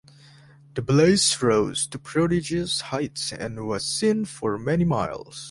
The blaze rose to prodigious heights and was seen for many miles.